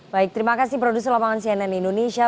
baik terima kasih produser lapangan cnn indonesia